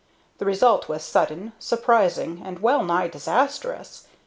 The result was sudden, surprising, and wellnigh disastrous.